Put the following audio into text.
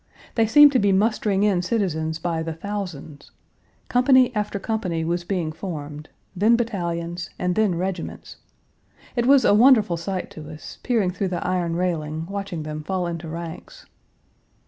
They seemed to be mustering in citizens by the thousands. Company after company was being formed; then battalions, and then regiments. It was a wonderful sight to us, peering through the iron railing, watching them fall into ranks.